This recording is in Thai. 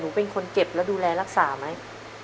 เป็นคนเก็บแล้วดูแลรักษาไหม